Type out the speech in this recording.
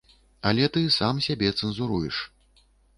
Але ты сам сябе цэнзуруеш.